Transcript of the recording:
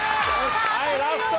はいラスト！